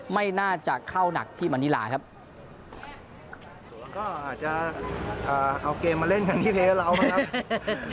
ไม่น่าจะเข้าหนักที่มันนิลาครับแล้วก็อาจจะเอาเกมมาเล่นกันที่เพย์กับเรานะครับ